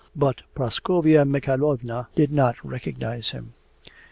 But Praskovya Mikhaylovna did not recognize him.